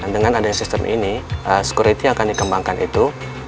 dengan adanya sistem ini security yang akan dikembangkan itu